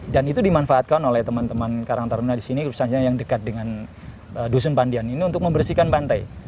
dan itu dimanfaatkan oleh teman teman karangtaruna di sini khususnya yang dekat dengan dusun pandian ini untuk membersihkan pantai